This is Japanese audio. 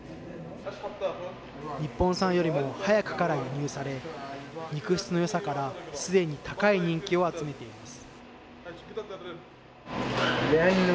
日本産よりも早くから輸入され肉質のよさからすでに高い人気を集めています。